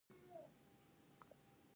د خپل راتلونکي لپاره.